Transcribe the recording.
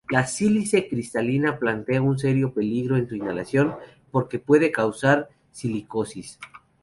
La sílice cristalina plantea un serio peligro en su inhalación porque puede causar silicosis.